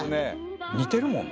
似てるもんね。